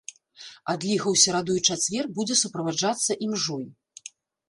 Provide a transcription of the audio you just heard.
Адліга ў сераду і чацвер будзе суправаджацца імжой.